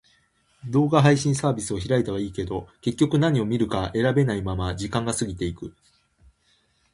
動画配信サービスを開いたはいいけど、結局何を見るか選べないまま時間が過ぎていく。